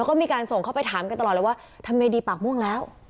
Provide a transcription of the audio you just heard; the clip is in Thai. แล้วก็มีการส่งเข้าไปถามกันตลอดเลยว่าทำไงดีปากม่วงแล้ว